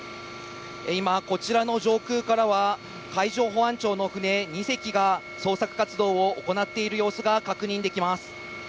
今、こちらの上空からは、海上保安庁の船２隻が捜索活動を行っている様子が確認できます。